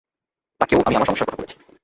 তাঁকেও আমি আমার সমস্যার কথা বলেছি।